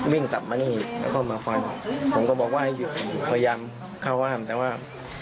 วิ่งกลับมานี่แล้วก็มาฟันผมก็บอกว่าให้หยุดพยายามเข้าห้ามแต่ว่า